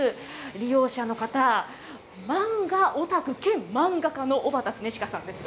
利用者の方、漫画オタク兼漫画家の小畑つねちかさんです。